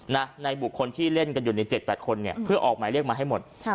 ในบุคคลที่เล่นกันอยู่ใน๗๘คนเนี่ยเพื่อออกหมายเรียกมาให้หมด